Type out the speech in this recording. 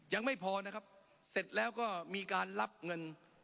ยังไม่พอนะครับเสร็จแล้วก็มีการรับเงิน